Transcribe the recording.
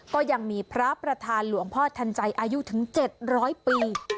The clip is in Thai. ก็ยังมีพระประธานหลวงพ่อทันใจอายุถึง๗๐๐ปี